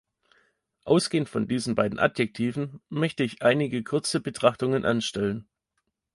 Ausgehend von diesen beiden Adjektiven möchte ich einige kurze Betrachtungen anstellen.